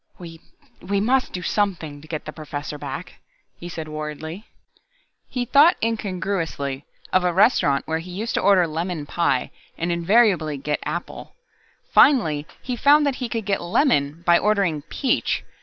"We we must do something to get the Professor back," he said worriedly. He thought incongruously of a restaurant where he used to order lemon pie and invariably get apple. Finally he found that he could get lemon by ordering peach.